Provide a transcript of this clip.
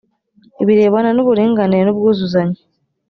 birebana n’ uburinganire n’ ubwuzuzanye.